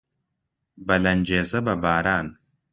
بە لەنگێزە، بە باران